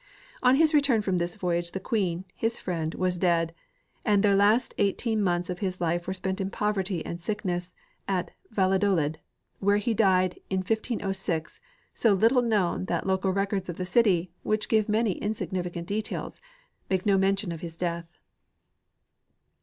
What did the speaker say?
On his return from this voyage the queen, his friend, was dead, and the last eighteen months of his life were spent in poverty and sickness at Vallaclolid, where he died in 1506, so little known that the local records of the city, which give many insignificant details, make no mention of his death.